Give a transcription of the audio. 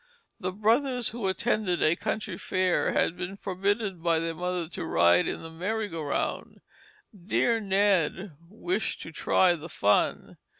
The brothers who attended a country fair had been forbidden by their mother to ride in the Merry go round. Dear Ned wished to try the fun.